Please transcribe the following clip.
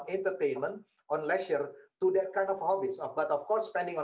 ya kami mengawal keselamatan kami melakukan protokol keselamatan